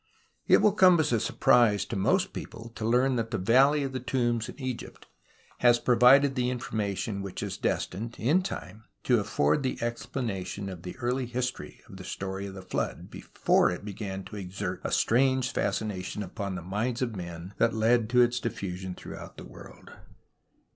It will come as a surprise to most people to learn that the A^alley of the Tombs in Egypt has provided the information which is destined in time to afford the explanation of the early history of the Story of the Flood, before it began to exert a strange fascination upon the minds of men that led to its diffusion through out the world.